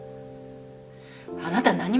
あなた何者？